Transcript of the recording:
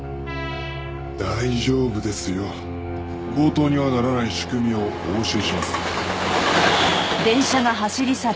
「大丈夫ですよ」「強盗にはならない仕組みをお教えします」